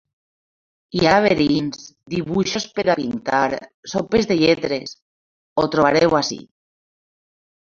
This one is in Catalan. Hi ha laberints, dibuixos per a pintar, sopes de lletres… Ho trobareu ací.